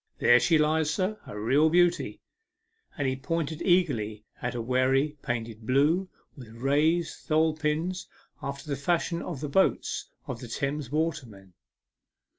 " There she lies, sir a real beauty," and he pointed eagerly at a wherry painted blue, with raised tholepins, after the fashion of the boats of the Thames watermen.